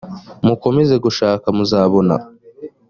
mukomeze gushaka muzabona